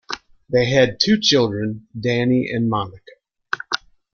They had two children, Danny and Monica.